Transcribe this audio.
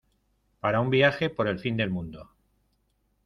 para un viaje por el fin del mundo